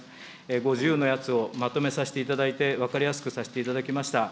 ５０のやつをまとめさせていただいて、分かりやすくさせていただきました。